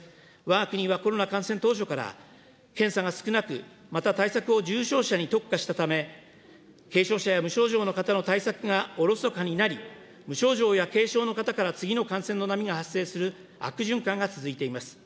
わが国はコロナ感染当初から、検査が少なく、また対策を重症者に特化したため、軽症者や無症状の方の対策がおろそかになり、無症状や軽症の方から次の感染の波が発生する悪循環が続いています。